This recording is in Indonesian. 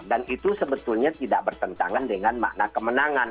dan itu sebetulnya tidak bertentangan dengan makna kemenangan